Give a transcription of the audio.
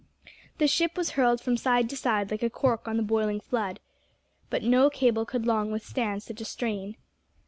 The ship was hurled from side to side like a cork on the boiling flood. But no cable could long withstand such a strain.